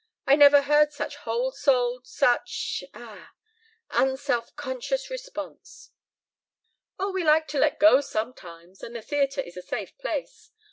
I never heard such whole souled, such ah unself conscious response." "Oh, we like to let go sometimes and the theatre is a safe place.